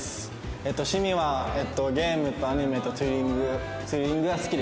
えっと趣味はゲームとアニメとツーリングツーリングが好きです。